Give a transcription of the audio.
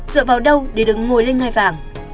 dựa vào đâu để đứng ngồi lên ngai vàng